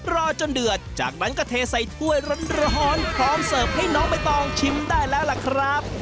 รอจนเดือดจากนั้นก็เทใส่ถ้วยร้อนพร้อมเสิร์ฟให้น้องใบตองชิมได้แล้วล่ะครับ